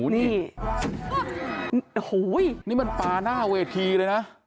นี่มันปลาหน้าเวทีเลยนะ